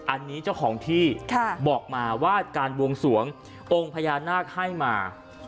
อันนี้เจ้าของที่บอกมาว่าการบวงสวงองค์พญานาคให้มา